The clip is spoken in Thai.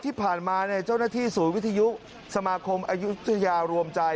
ที่ผ่านมาเจ้าหน้าที่ศูนย์วิทยุสมาคมอายุทยารวมใจ